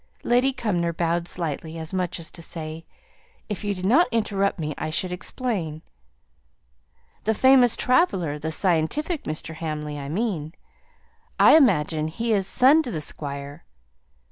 Lady Cumnor bowed slightly, as much as to say, "If you did not interrupt me I should explain." "The famous traveller the scientific Mr. Hamley, I mean. I imagine he is son to the Squire.